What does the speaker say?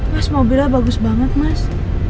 mas mobilnya bagus banget mas